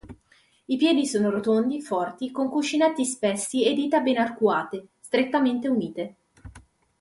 I piedi sono rotondi, forti, con cuscinetti spessi e dita bene arcuate, strettamente unite.